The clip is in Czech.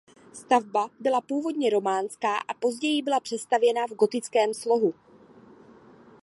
Stavba byla původně románská a později byla přestavěna v gotickém slohu.